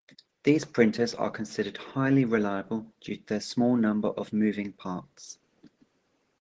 These printers are considered highly reliable due to their small number of moving parts.